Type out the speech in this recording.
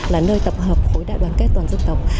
là nơi tập hợp khối đại đoàn kết toàn dân tộc